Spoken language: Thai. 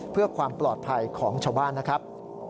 เพื่อความปลอดภัยของชาวบ้านนะครับ